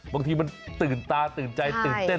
บางทีมันตื่นตาตื่นใจตื่นเต้น